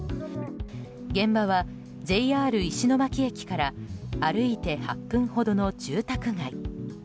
現場はＪＲ石巻駅から歩いて８分ほどの住宅街。